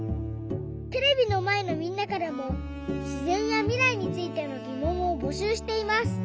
テレビのまえのみんなからもしぜんやみらいについてのぎもんをぼしゅうしています。